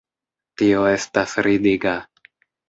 Tio estas ridiga.